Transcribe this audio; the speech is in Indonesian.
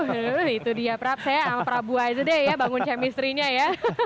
aduh itu dia saya sama prabu aizadeh ya bangun chemistry nya ya